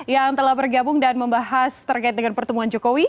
yang telah bergabung dan membahas pertemuan jokowi